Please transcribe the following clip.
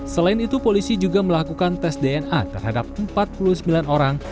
selain itu polisi juga melakukan tes dna terhadap empat puluh sembilan orang